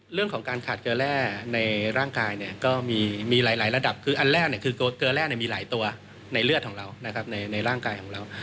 เรื่องของการขาดเกลือแร่ในร่างกายเนี่ยก็มีหลายระดับคืออันแรกคือเกลือแร่มีหลายตัวในเลือดของเรานะครับในร่างกายของเรา